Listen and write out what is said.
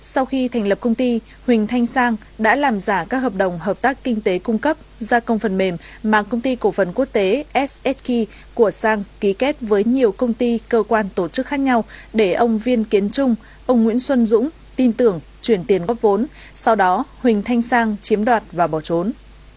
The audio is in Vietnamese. sau khi thành lập công ty huỳnh thanh sang đã làm giả các hợp đồng hợp tác kinh tế cung cấp gia công phần mềm mà công ty cổ phần quốc tế ssk của sang ký kết với nhiều công ty cơ quan tổ chức khác nhau để ông viên kiến trung ông nguyễn xuân dũng tin tưởng chuyển tiền góp vốn sau đó huỳnh thanh sang chiếm đoạt và bỏ trốn